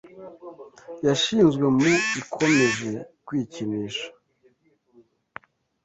yashinzwe mu ikomeje kwikinisha